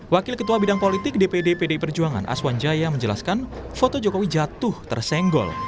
wakil ketua bidang politik dpd pdi perjuangan aswan jaya menjelaskan foto jokowi jatuh tersenggol